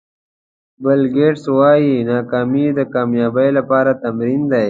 بیل ګېټس وایي ناکامي د کامیابۍ لپاره تمرین دی.